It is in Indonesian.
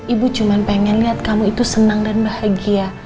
ibu cuma pengen lihat kamu itu senang dan bahagia